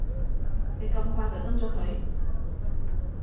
你咁快就憎咗佢